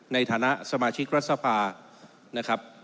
ในฐานะสมาชิกรัฐสภานะครับ